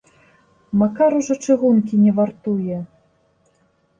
Макар ужо чыгункі не вартуе.